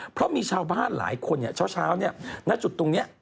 เพราะมีชาวบ้านหลายคนเช้าณจุดตรงนี้